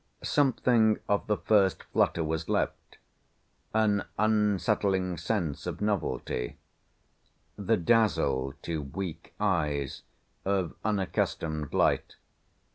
Something of the first flutter was left; an unsettling sense of novelty; the dazzle to weak eyes of unaccustomed light.